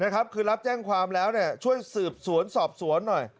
คือรับแจ้งความแล้วช่วยสืบสวนสอบสวนหน่อย